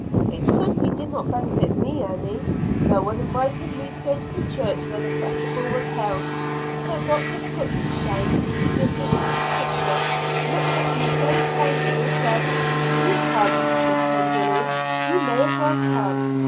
It certainly did not benefit me any; no one invited me to go to the church where the festival was held, but Dr. Crookshank, the Assistant Physician, looked at me very kindly and said, "Do come, Mrs. Pengilly, you may as well come."